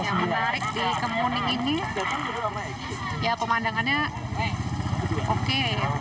yang menarik di kemuning ini ya pemandangannya oke